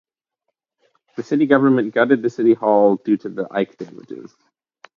The city government gutted the city hall due to the Ike damages.